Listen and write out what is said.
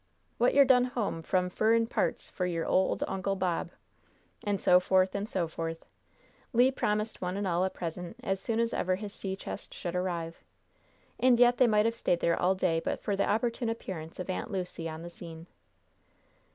"Wot yer done home f'om furrin' parts fur yer ole Uncle Bob?" And so forth and so forth. Le promised one and all a present as soon as ever his sea chest should arrive. And yet they might have stayed there all day but for the opportune appearance of Aunt Lucy on the scene.